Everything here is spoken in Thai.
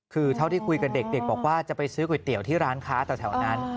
คือเท่าที่คุยกับเด็กบอกว่าจะไปซื้อก๋วยเตี๋ยวที่ร้านค้าแถวนั้น